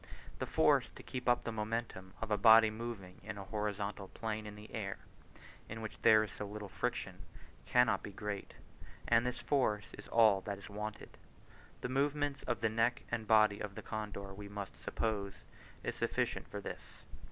The force to keep up the momentum of a body moving in a horizontal plane in the air (in which there is so little friction) cannot be great, and this force is all that is wanted. The movements of the neck and body of the condor, we must suppose, is sufficient for this.